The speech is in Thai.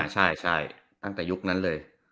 ใช่ตั้งแต่ยุคนั้นเลย